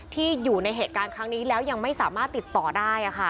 ที่อยู่ในเหตุการณ์ครั้งนี้แล้วยังไม่สามารถติดต่อได้